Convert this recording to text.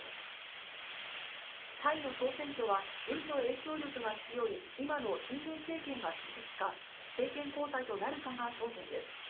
タイの総選挙は、軍の影響力が強い、今の親軍政権が続くか、政権交代となるかが焦点です。